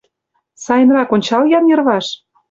Сайынрак ончал-ян йырваш!